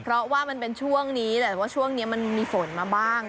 เพราะว่ามันเป็นช่วงนี้แหละแต่ว่าช่วงนี้มันมีฝนมาบ้าง